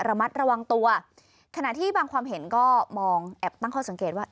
ระมัดระวังตัวขณะที่บางความเห็นก็มองแอบตั้งข้อสังเกตว่า